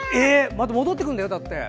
戻ってくるんだよ、だって。